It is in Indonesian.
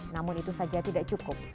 namun itu saja tidak cukup